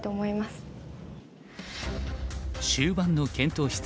終盤の検討室。